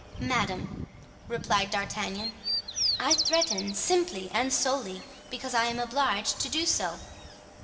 "Madame," replied D'Artagnan, "I threaten simply and solely because I am obliged to do so.